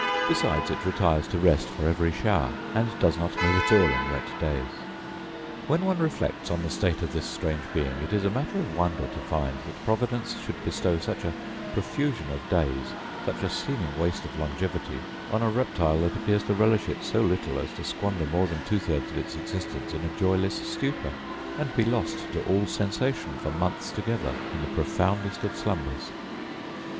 Besides, it retires to rest for every shower; and does not move at all in wet days. When one reflects on the state of this strange being, it is a matter of wonder to find that Providence should bestow such a profusion of days, such a seeming waste of longevity, on a reptile that appears to relish it so little as to squander more than two thirds of its existence in a joyless stupor, and be lost to all sensation for months together in the profoundest of slumbers.